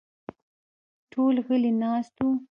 ټول غلي ناست وو.